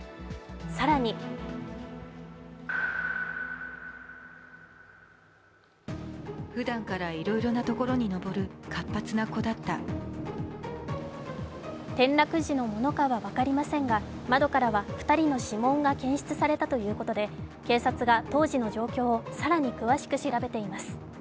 更に転落時のものかは分かりませんが窓からは２人の諮問が検出されたということで警察が当時の状況を更に調べています。